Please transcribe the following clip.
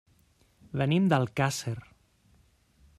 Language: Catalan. Venim d'Alcàsser.